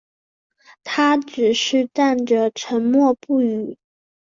他只是站着沉默不语